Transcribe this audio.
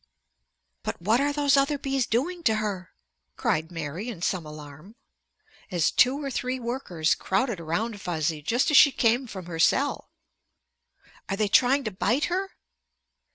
"But what are those other bees doing to her," cried Mary in some alarm, as two or three workers crowded around Fuzzy just as she came from her cell. "Are they trying to bite her?"